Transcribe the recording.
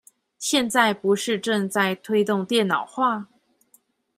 現在不是正在推動電腦化？